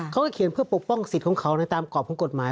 เขาก็เขียนเพื่อปกป้องสิทธิ์ของเขาในตามกรอบของกฎหมาย